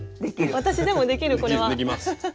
私でもできるこれは。できます。